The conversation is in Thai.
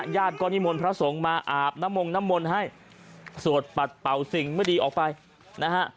ญาติก็นิมนต์พระสงฆ์มาอาบน้ำมงน้ำมนต์ให้สวดปัดเป่าสิ่งไม่ดีออกไปนะฮะ